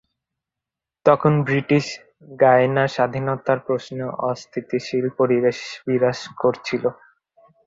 তখন ব্রিটিশ গায়ানার স্বাধীনতার প্রশ্নে অস্থিতিশীল পরিবেশ বিরাজ করছিল।